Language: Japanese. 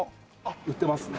売ってますね！